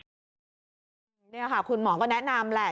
คุณหมอนะคะคุณหมอก็แนะนำแหละ